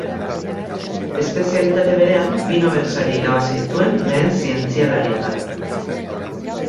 Espezialitate berean bi Nobel Sari irabazi dituen lehen zientzialaria da.